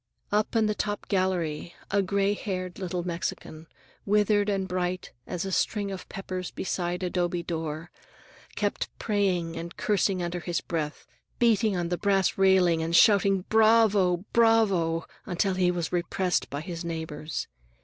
Up in the top gallery a gray haired little Mexican, withered and bright as a string of peppers beside a'dobe door, kept praying and cursing under his breath, beating on the brass railing and shouting "Bravó! Bravó!" until he was repressed by his neighbors.